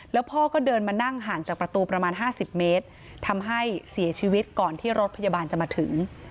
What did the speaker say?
แล้วพ่อก็เดินมานั่งห่างจากประตูประมาณ๕๐เมตรทำให้เสียชีวิตก่อนที่รถพยาบาลจะมาถึง